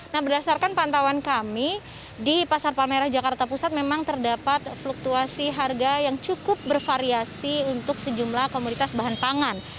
nah berdasarkan pantauan kami di pasar palmerah jakarta pusat memang terdapat fluktuasi harga yang cukup bervariasi untuk sejumlah komunitas bahan pangan